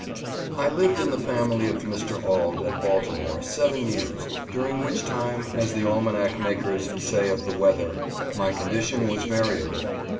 I LIVED in the family of Mr. Auld, at Baltimore, seven years, during which time, as the almanac makers say of the weather, my condition was variable.